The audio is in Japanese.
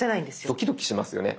ドキドキしますよね。